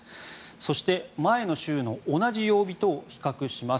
そして前の週の同じ曜日と比較します。